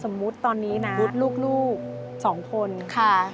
สมมุติตอนนี้นะมุดลูกสองคนค่ะ